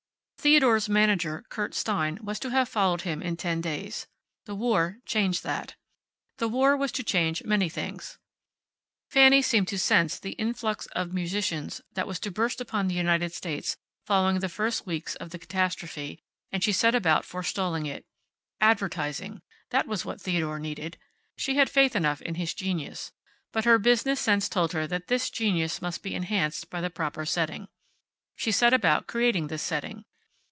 Theodore's manager, Kurt Stein, was to have followed him in ten days. The war changed that. The war was to change many things. Fanny seemed to sense the influx of musicians that was to burst upon the United States following the first few weeks of the catastrophe, and she set about forestalling it. Advertising. That was what Theodore needed. She had faith enough in his genius. But her business sense told her that this genius must be enhanced by the proper setting. She set about creating this setting.